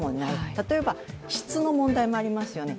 例えば質の問題もありますよね。